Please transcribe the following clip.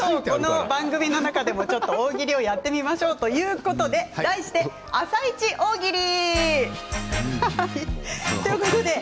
この番組の中でも大喜利をやってみましょうということで「あさイチ大喜利」です。